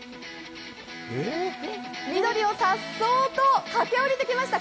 緑を颯爽と駆け下りてきました。